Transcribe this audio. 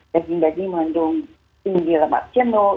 daging daging mengandung tinggi lemak jenuh